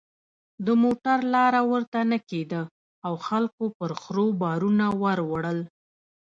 د موټر لاره ورته نه کېده او خلکو پر خرو بارونه ور وړل.